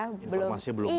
informasi belum banyak